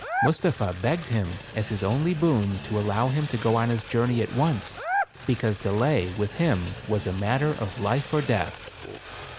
Mustapha begged him as his only boon, to allow him to go on his journey at once; because delay, with him, was a matter of life or death.